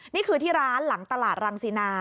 นี่คือที่ร้านหลังตลาดรังสินา